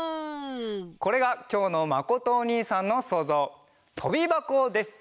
これがきょうのまことおにいさんのそうぞう「とびばこ」です！